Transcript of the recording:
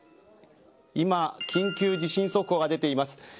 今、緊急地震速報が出ています。